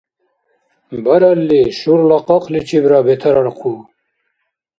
Баралли, шурла къакъличибра бетарар хъу.